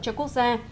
cho quốc gia